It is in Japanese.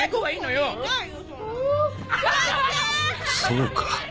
そうか。